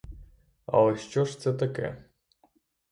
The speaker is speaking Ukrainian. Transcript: Але що ж це таке?